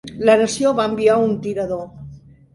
La nació va enviar un tirador.